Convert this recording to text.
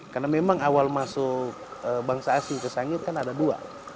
karena memang awal masuk bangsa asing ke sangihe kan ada dua